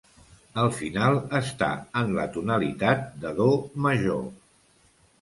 El final està en la tonalitat de do major.